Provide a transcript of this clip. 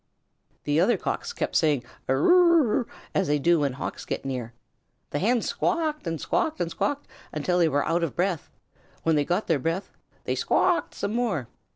The other Cocks kept saying "Eru u u u," as they do when Hawks are near. The Hens squawked and squawked and squawked, until they were out of breath. When they got their breath they squawked some more.